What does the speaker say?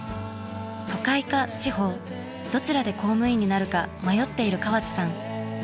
都会か地方どちらで公務員になるか迷っている河地さん。